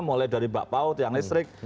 mulai dari bakpaut yang listrik